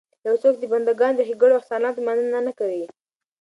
يو څوک چې د بنده ګانو د ښېګړو او احساناتو مننه نه کوي